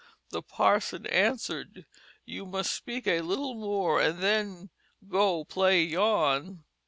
The parson answered, "You must speak a little more and then go play yon."